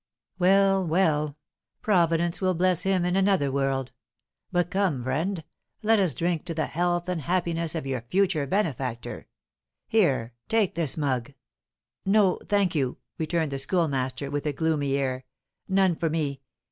Well, well, Providence will bless him in another world; but come, friend, let us drink to the health and happiness of your future benefactor, here take this mug." "No, thank you!" returned the Schoolmaster, with a gloomy air; "none for me.